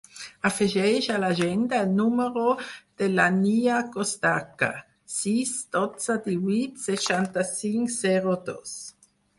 Afegeix a l'agenda el número de l'Ànnia Costache: sis, dotze, divuit, seixanta-cinc, zero, dos.